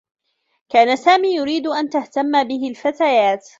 كان سامي يريد أن تهتمّ به الفتيات.